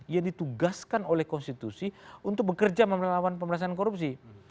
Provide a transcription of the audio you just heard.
yang ditugaskan oleh konstitusi untuk bekerja memelawan pemerintahan korupsi